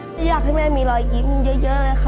อยากให้แม่มีรอยยิ้มเยอะเลยค่ะ